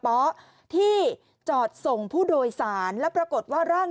ตราสบนี้หรือปรับทราบทราบตรว่าปุ๊บมานะนิ